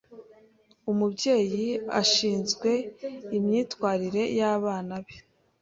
Umubyeyi ashinzwe imyitwarire y'abana be.